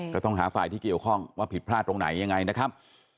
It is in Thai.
ก็ต้องหาฝ่ายที่เกี่ยวข้องว่าผิดพลาดตรงไหนยังไงนะครับ